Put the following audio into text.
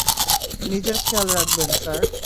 নিজের খেয়াল রাখবেন, স্যার।